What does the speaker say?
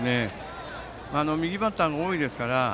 右バッターが多いですから。